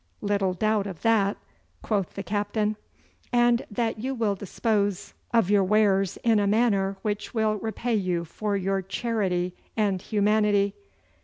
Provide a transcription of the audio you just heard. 'Little doubt of that!' quoth the captain. 'And that you will dispose of your wares in a manner which will repay you for your charity and humanity.